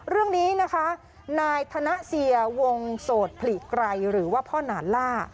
เรื่องนี้นะคะนายธนเซียวงโสดผลิไกรหรือว่าพ่อหนานล่า